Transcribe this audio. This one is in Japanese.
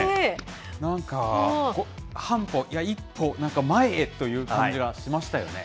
なんか、半歩、いや一歩、なんか前へという感じはしましたよね。